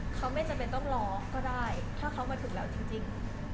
เขาไม่จำเป็นต้องรอก็ได้ถ้าเขามาถึงแล้วจริง